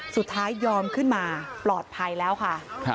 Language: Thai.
สุดท้ายยอมขึ้นมาปลอดภัยแล้วค่ะ